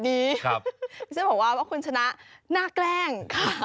ติดตามทางราวของความน่ารักกันหน่อย